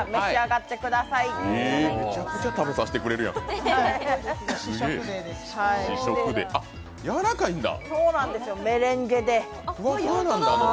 めちゃくちゃ食べさせてくれるやん、試食デー。